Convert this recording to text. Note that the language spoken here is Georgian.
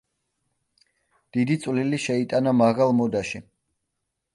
დიდი წვლილი შეიტანა მაღალ მოდაში.